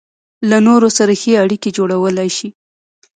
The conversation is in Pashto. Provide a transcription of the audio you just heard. له نورو سره ښې اړيکې جوړولای شي.